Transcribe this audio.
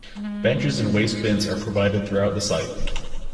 Benches and waste bins are provided throughout the site.